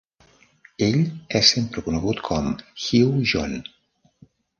Ell és sempre conegut com "Hugh John".